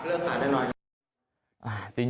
เลิกขาดแน่นอน